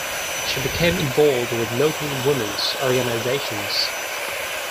She became involved with local women's organizations.